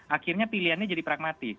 akhirnya pilihannya jadi pragmatis